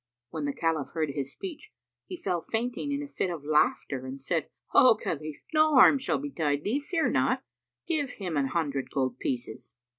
When the Caliph heard his speech, he fell fainting in a fit of laughter and said, "O Khalif, no harm shall betide thee: fear not. Give him an hundred gold pieces."